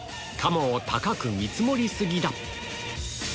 鴨を高く見積もり過ぎだ